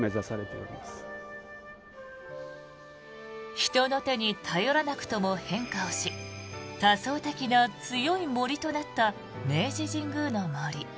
人の手に頼らなくとも変化をし多層的な強い杜となった明治神宮の杜。